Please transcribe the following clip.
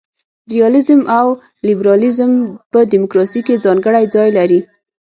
ریالیزم او لیبرالیزم په دموکراسي کي ځانګړی ځای لري.